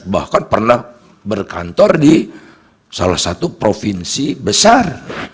bahkan pernah berkantor di salah satu provinsi besar